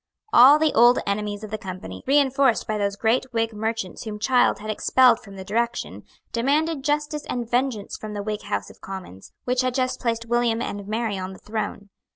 All the old enemies of the Company, reinforced by those great Whig merchants whom Child had expelled from the direction, demanded justice and vengeance from the Whig House of Commons, which had just placed William and Mary on the throne.